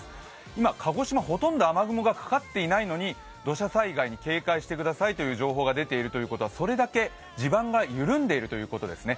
今、鹿児島、ほとんど雨雲がかかっていないのに、土砂災害に警戒してくださいという情報が出ているということはそれだけ地盤が緩んでいるということですね。